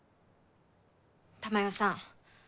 珠世さん